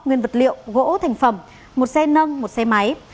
nguyên vật liệu gỗ thành phẩm một xe nâng một xe máy